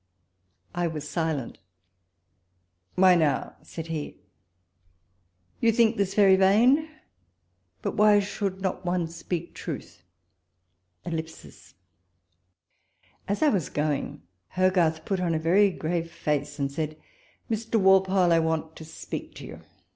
I was silent —'' Why now," said he, ''you think this very vain, but why should not one speak truth?" ... As I was going, Hogarth put on a very grave face, and said, "Mr. Walpole, I want to speak to you."